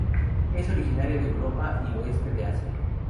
Es originaria de Europa y oeste de Asia.